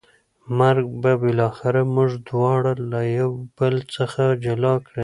مرګ به بالاخره موږ دواړه له یو بل څخه جلا کړي.